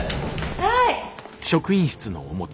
はい。